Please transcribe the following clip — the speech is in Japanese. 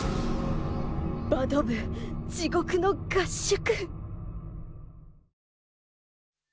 バド部地獄の合宿。